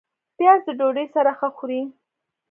پیاز د ډوډۍ سره ښه خوري